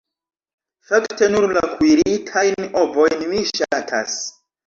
Fakte nur la kuiritajn ovojn mi ŝatas.